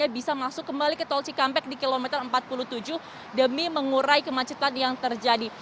bisa masuk kembali ke tol cikampek di kilometer empat puluh tujuh demi mengurai kemacetan yang terjadi